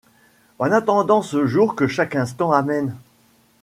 En attendant ce jour que chaque instant amène